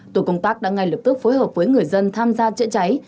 tổ công tác đã ngay lập tức phối hợp với người dân tham gia chữa cháy